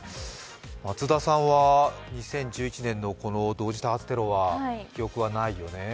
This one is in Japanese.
松田さんは２０１１年のこの同時多発テロは記憶はないよね？